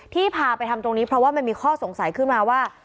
พาไปทำตรงนี้เพราะว่ามันมีข้อสงสัยขึ้นมาว่า